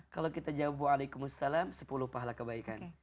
kalau kita jawab waalaikumsalam sepuluh pahala kebaikan